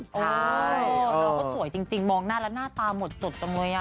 ใช่น้องก็สวยจริงมองหน้าแล้วหน้าตาหมดจดตรงนี้อ่ะ